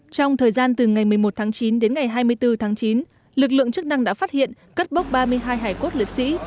trong thời gian từ ngày một mươi một tháng chín đến ngày hai mươi bốn tháng chín lực lượng chức năng đã phát hiện cất bốc ba mươi hai hải cốt liệt sĩ